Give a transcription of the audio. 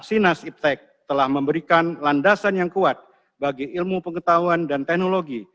sinas iptec telah memberikan landasan yang kuat bagi ilmu pengetahuan dan teknologi